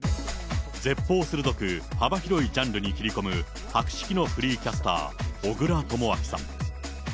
舌ぽう鋭く幅広いジャンルに切り込む博識のフリーキャスター、小倉智昭さん。